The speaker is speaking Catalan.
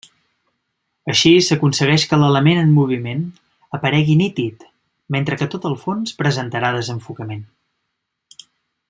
Així s'aconsegueix que l'element en moviment aparegui nítid mentre que tot el fons presentarà desenfocament.